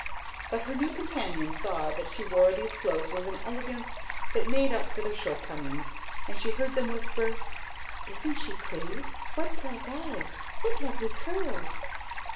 But her new companions saw that she wore these clothes with an elegance that made up for their shortcomings; and she heard them whisper: "Isn't she pretty? What black eyes! What lovely curls!"